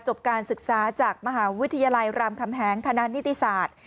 การศึกษาจากมหาวิทยาลัยรามคำแหงคณะนิติศาสตร์